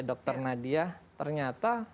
dr nadia ternyata